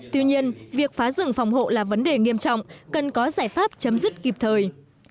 tuy nhiên việc phá rừng phòng hộ là vấn đề nghiêm trọng cần có giải pháp chấm dứt kịp thời